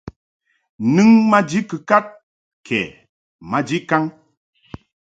Nɨŋ maji kɨkad kɛ maji kaŋ.